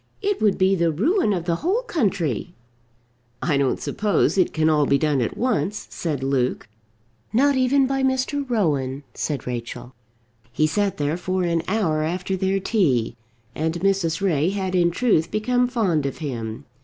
It would be the ruin of the whole country." "I don't suppose it can be done all at once," said Luke. "Not even by Mr. Rowan," said Rachel. He sat there for an hour after their tea, and Mrs. Ray had in truth become fond of him.